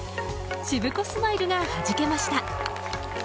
しぶこスマイルがはじけました。